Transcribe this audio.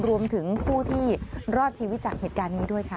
รวมถึงผู้ที่รอดชีวิตจากเหตุการณ์นี้ด้วยค่ะ